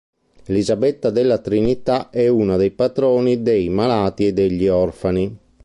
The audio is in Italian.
Elisabetta della Trinità è una dei patroni dei malati e degli orfani.